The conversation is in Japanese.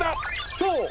そう。